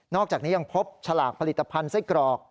อกจากนี้ยังพบฉลากผลิตภัณฑ์ไส้กรอก